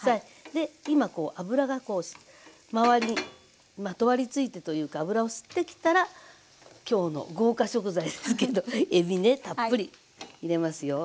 で今こう油が周りにまとわりついてというか油を吸ってきたら今日の豪華食材ですけどえびねたっぷり入れますよ。